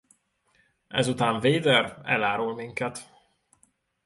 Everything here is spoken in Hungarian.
Ezután Vader elárul minket.